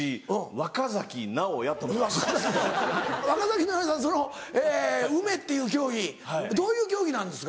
ワカザキナオヤさんそのウメっていう競技どういう競技なんですか？